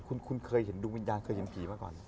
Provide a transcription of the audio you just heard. คุณเคยเห็นดวงวิญญาณเคยเห็นผีมาก่อน